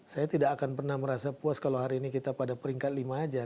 saya tidak akan pernah merasa puas kalau hari ini kita pada peringkat lima aja